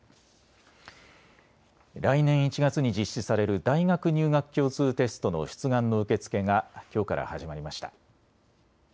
来年１月に実施される大学入学共通テストの出願の受け付けがきょうから始まりました。